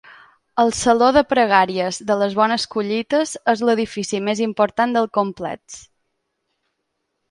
El Saló de Pregàries de les Bones Collites és l’edifici més important del complex.